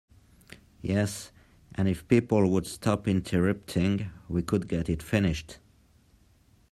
Yes, and if people would stop interrupting we could get it finished.